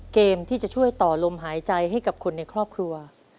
เกมที่จะช่วยต่อลมหายใจให้กับคนในครอบครัว